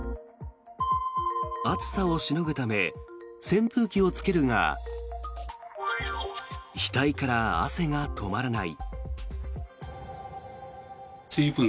暑さをしのぐため扇風機をつけるが額から汗が止まらない。